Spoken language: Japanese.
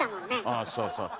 あそうそう。